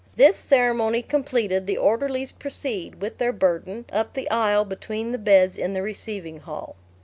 This ceremony completed, the orderlies proceed, with their burden, up the aisle between the beds in the receiving hall.